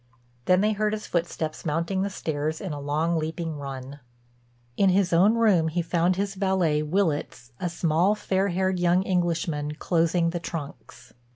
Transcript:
Then they heard his footsteps mounting the stairs in a long, leaping run. In his own room he found his valet, Willitts, a small, fair haired young Englishman, closing the trunks.